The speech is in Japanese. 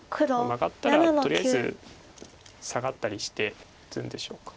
マガったらとりあえずサガったりして打つんでしょうか。